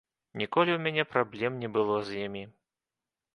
Ніколі ў мяне праблем не было з імі.